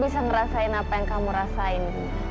bisa ngerasain apa yang kamu rasain